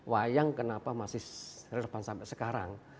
wayang kenapa masih relevan sampai sekarang